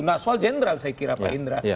nah soal jenderal saya kira pak indra